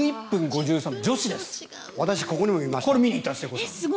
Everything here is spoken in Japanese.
私ここにいました。